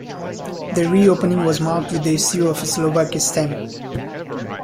The re-opening was marked with the issue of a Slovak stamp.